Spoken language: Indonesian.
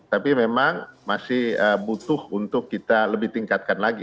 tapi memang masih butuh untuk kita lebih tingkatkan lagi